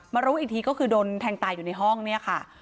รู้อีกทีก็คือโดนแทงตายอยู่ในห้องเนี่ยค่ะ